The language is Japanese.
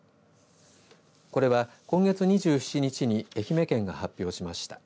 これは今月２７日に愛媛県が発表しました。